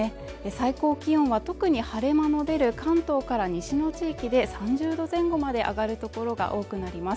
最高気温は特に晴れ間の出る関東から西の地域で３０度前後まで上がるところが多くなります。